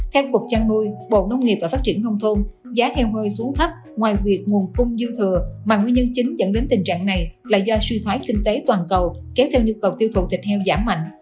theo cục chăn nuôi bộ nông nghiệp và phát triển nông thôn giá heo hơi xuống thấp ngoài việc nguồn cung dư thừa mà nguyên nhân chính dẫn đến tình trạng này là do suy thoái kinh tế toàn cầu kéo theo nhu cầu tiêu thụ thịt heo giảm mạnh